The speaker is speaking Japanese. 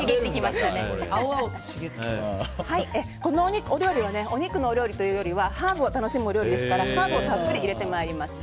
このお料理はお肉のお料理というよりはハーブを楽しむお料理ですからハーブをたっぷり入れてまいりましょう。